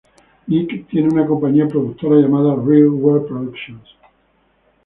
Nic tiene una compañía productora llamada "Reel World Productions".